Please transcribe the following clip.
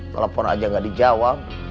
telepon aja gak dijawab